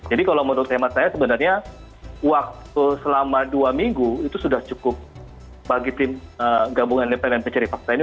jadi kalau menurut tema saya sebenarnya waktu selama dua minggu itu sudah cukup bagi tim gabungan independen mencari fakta ini